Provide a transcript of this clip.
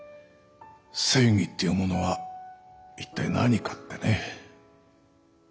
正義っていうものは一体何かってね。